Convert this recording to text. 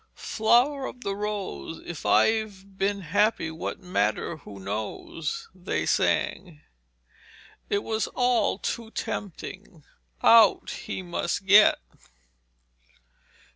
'Flower of the rose, If I've been happy, what matter who knows,' they sang. It was all too tempting; out he must get.